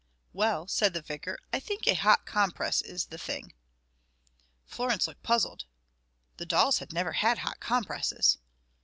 "Well," said the vicar, "I think a hot compress is the thing." Florence looked puzzled; the dolls had never had hot compresses.